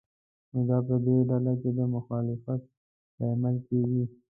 نو دا په دې ډله کې د مخالفت لامل کېږي.